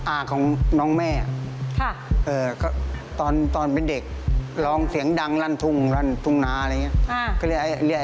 อ้างของน้องแม่